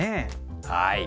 はい。